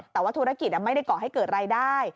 แต่ว่าธุรกิจไม่ได้ก่อให้เกิดรายได้